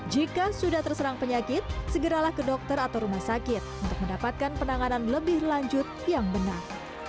jika sudah terserang penyakit segeralah ke dokter atau rumah sakit untuk mendapatkan penanganan lebih lanjut yang benar